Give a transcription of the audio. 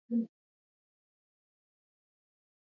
دولت باید د پښتو ژبې پیاوړتیا ته بودیجه ځانګړي کړي.